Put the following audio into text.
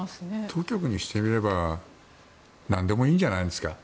当局にしてみれば何でもいいんじゃないんですか？